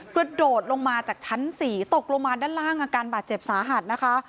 กระโดดลงมาจากชั้น๔ตกลงมาด้านล่างอาการบาดเจ็บสาหัสนะคะ